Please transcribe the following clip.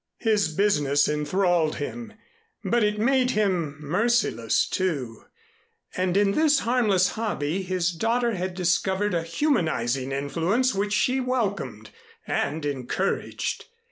His business enthralled him, but it made him merciless, too, and in this harmless hobby his daughter had discovered a humanizing influence which she welcomed and encouraged.